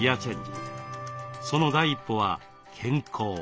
その第一歩は健康。